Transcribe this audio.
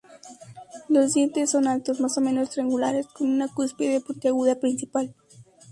Los dientes son altos más o menos triangulares con una cúspide puntiaguda principal.